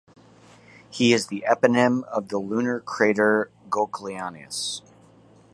He is the eponym of the lunar crater Goclenius.